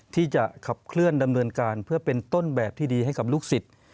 ที่จะขับเคลื่อนดำเนินการเพื่อเป็นต้นแบบที่ดีให้กับลูกศิษย์